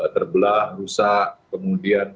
terbelah rusak kemudian